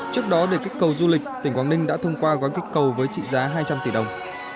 trước đó để kích cầu du lịch tỉnh quảng ninh đã thông qua gói kích cầu với trị giá hai trăm linh tỷ đồng